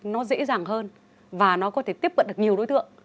nó dễ dàng hơn và nó có thể tiếp cận được nhiều đối tượng